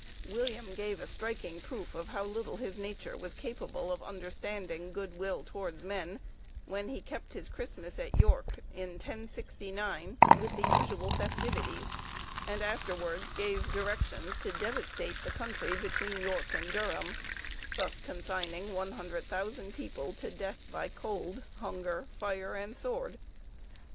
William gave a striking proof of how little his nature was capable of understanding "good will towards men," when he kept his Christmas at York, in 1069, with the usual festivities, and afterwards gave directions to devastate the country between York and Durham; thus consigning 100,000 people to death, by cold, hunger, fire, and sword.